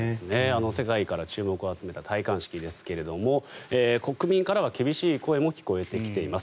世界から注目を集めた戴冠式ですけども国民からは厳しい声も聞こえてきています。